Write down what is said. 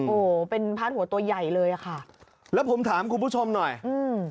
โอ้โหเป็นพาดหัวตัวใหญ่เลยอ่ะค่ะแล้วผมถามคุณผู้ชมหน่อยอืม